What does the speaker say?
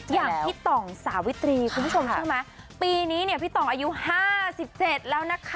อย่างพี่ต่อสาวิตรีคุณผู้ชมใช่ไหมปีนี้พี่ต่ออายุห้าสิบเจ็ดแล้วนะคะ